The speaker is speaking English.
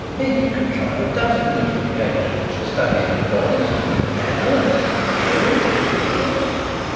"He could contrive a dozen different occasions for studying the voice and manner and appearance of his victims.